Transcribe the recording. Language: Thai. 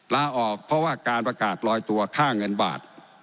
ลาออกเพราะว่าการประกาศลอยตัวค่าเงินบาท